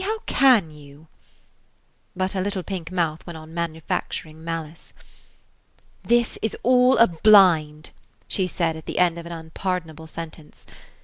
how can you!" But her little pink mouth went on manufacturing malice. "This is all a blind," she said at the end of an unpardonable sentence.